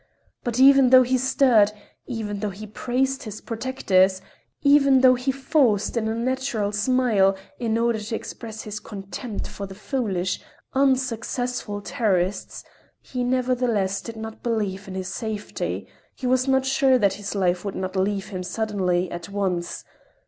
But even though he stirred, even though he praised his protectors, even though he forced an unnatural smile, in order to express his contempt for the foolish, unsuccessful terrorists, he nevertheless did not believe in his safety, he was not sure that his life would not leave him suddenly, at once.